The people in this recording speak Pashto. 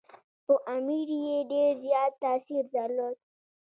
پر امیر یې ډېر زیات تاثیر درلود.